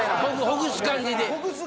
ほぐす感じ。